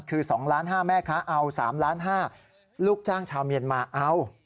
คือ๒๕๐๐๐๐๐แม่ค้าเอา๓๕๐๐๐๐๐ลูกจ้างชาวเมียนมาเอา